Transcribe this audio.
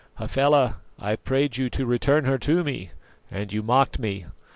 "Hafela, I prayed you to return her to me, and you mocked me.